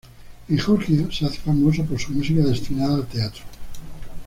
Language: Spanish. En Georgia se hace famoso por su música destinada al teatro.